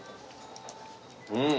うん。